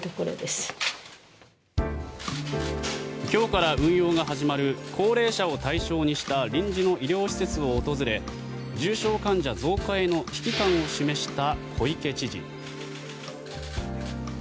今日から運用が始まる高齢者を対象にした臨時の医療施設を訪れ重症患者増加への危機感を示した小池知事。